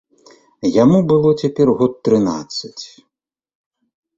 Яму было цяпер год трынаццаць.